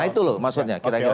nah itu loh maksudnya kira kira